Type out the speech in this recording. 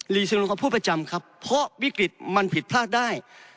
รีซึงกับผู้ประจำครับเพราะวิกฤติมันผิดพลาดได้